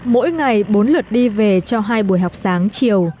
mỗi ngày bốn lượt đi về cho hai buổi học sáng chiều